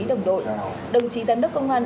đồng đội đồng chí giám đốc công an